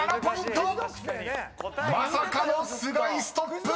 ［まさかの須貝ストップ！］